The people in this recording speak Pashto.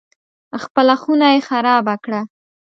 خپله خونه یې خرابه کړه.